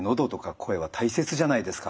声は大切じゃないですか。